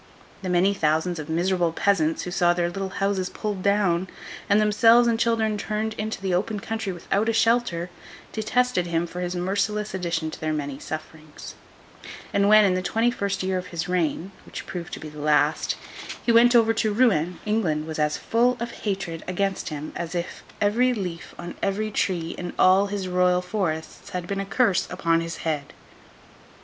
The many thousands of miserable peasants who saw their little houses pulled down, and themselves and children turned into the open country without a shelter, detested him for his merciless addition to their many sufferings; and when, in the twenty first year of his reign (which proved to be the last), he went over to Rouen, England was as full of hatred against him, as if every leaf on every tree in all his Royal Forests had been a curse upon his head.